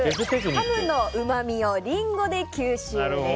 ハムのうまみをリンゴで吸収！